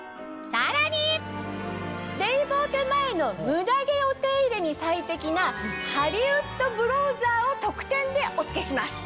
さらにレイボーテ前のムダ毛お手入れに最適なハリウッドブロウザーを特典でお付けします。